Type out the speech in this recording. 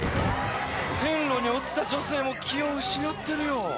線路に落ちた女性も気を失ってるよ